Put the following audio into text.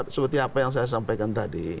seperti apa yang saya sampaikan tadi